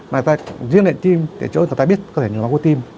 mà người ta duyên lệnh tim tại chỗ người ta biết có thể nhồi máu cơ tim